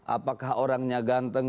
apakah orangnya ganteng